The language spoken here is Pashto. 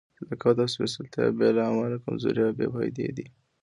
صداقت او سپېڅلتیا بې له علمه کمزوري او بې فائدې دي.